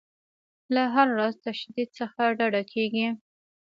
له هر راز تشدد څخه ډډه کیږي.